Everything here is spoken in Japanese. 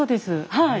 はい。